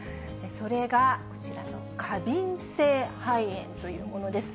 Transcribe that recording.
それが、こちらの過敏性肺炎というものです。